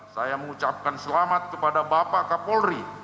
saya mengucapkan selamat kepada bapak kapolri